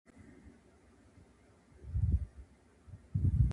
昨日たべたブロッコリー